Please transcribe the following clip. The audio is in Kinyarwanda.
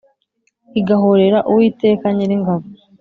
igahorera Uwiteka Nyiringabo